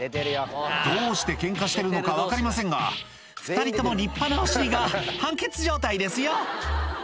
どうしてケンカしてるのか分かりませんが２人とも立派なお尻が半ケツ状態ですよ